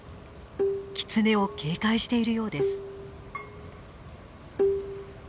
キツネを警戒しているようです。